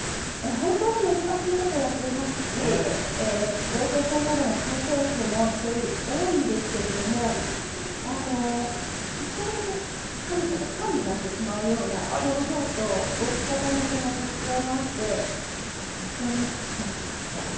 本当に難しい事をやっていますしローテーションなどの回転数も人より多いんですけれども一瞬で彼女のファンになってしまうような表情と動き方の特徴もあって本当に楽しかったです。